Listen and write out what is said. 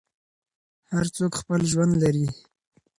هر څوک خپل ژوند لري.